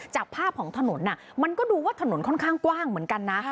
จากภาพของถนนมันก็ดูว่าถนนค่อนข้างกว้างเหมือนกันนะ